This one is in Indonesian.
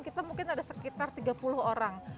kita mungkin ada sekitar tiga puluh orang